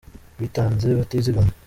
Bitanze batizigama